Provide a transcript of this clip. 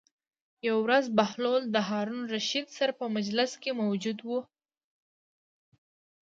یوه ورځ بهلول د هارون الرشید سره په مجلس کې موجود و.